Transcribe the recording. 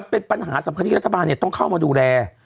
เป็นปัญหาสำคัญที่รัฐบาลต้องเข้ามาดูแล